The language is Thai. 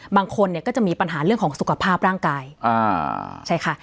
บางคนเนี่ยก็จะมีปัญหาเรื่องของสุขภาพร่างกายอ่าใช่ค่ะ